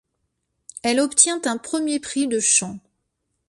Elle obtient un premier prix de chant.